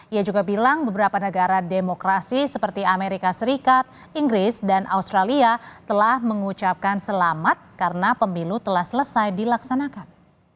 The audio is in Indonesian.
ia juga bilang beberapa negara demokrasi seperti amerika serikat inggris dan australia telah mengucapkan selamat karena pemilu telah selesai dilaksanakan